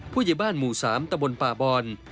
ผู้ใหญ่บ้านหมู่๓ตะบนป่าบอน